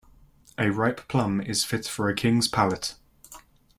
A ripe plum is fit for a king's palate.